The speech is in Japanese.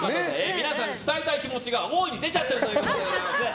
皆さん伝えた気持ちが大いに出ちゃってるということですね。